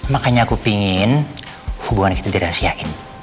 makanya aku pingin hubungan kita dirahasiain